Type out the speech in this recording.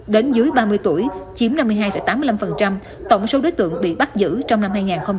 đến dưới ba mươi tuổi chiếm năm mươi hai tám mươi năm tổng số đối tượng bị bắt giữ trong năm hai nghìn một mươi tám